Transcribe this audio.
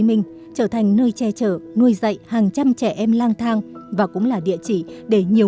minh trở thành nơi che chở nuôi dạy hàng trăm trẻ em lang thang và cũng là địa chỉ để nhiều